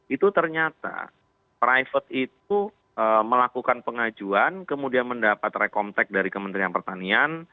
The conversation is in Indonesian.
itu ternyata private itu melakukan pengajuan kemudian mendapat recomtek dari kementerian pertanian